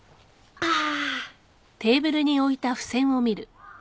・ああ。